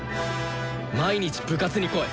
毎日部活に来い。